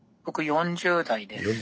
４０代で。